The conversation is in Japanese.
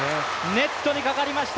ネットにかかりました